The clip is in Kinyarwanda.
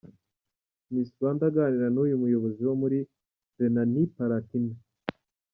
Miss Rwanda aganira n'uyu muyobozi wo muri Renaniparatina.